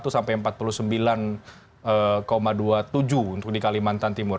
empat puluh tujuh tiga puluh satu sampai empat puluh sembilan dua puluh tujuh untuk di kalimantan timur